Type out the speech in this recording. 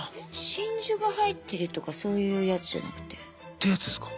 真珠が入ってるとかそういうやつじゃなくて？ってやつですか？